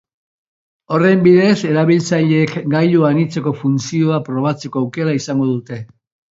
Horren bidez, erabiltzaileek gailu anitzeko funtzioa probatzeko aukera izango dute.